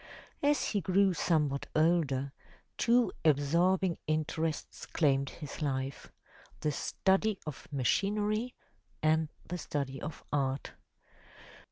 As he grew somewhat older, two absorbing interests claimed his life,— the study of machinery and the study of art.